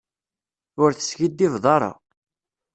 Ur teskiddibeḍ ara.